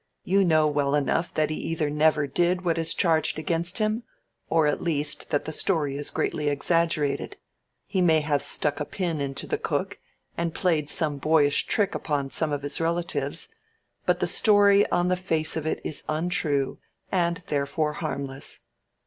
You know well enough that he either never did what is charged against him, or at least that the story is greatly exaggerated he may have stuck a pin into the cook, and played some boyish trick upon some of his relatives but the story on the face of it is untrue and therefore harmless.